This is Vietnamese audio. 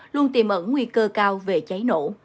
luôn tìm ẩn nguy cơ cao về cháy nổ